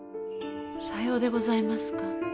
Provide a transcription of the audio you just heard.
さようでございますか。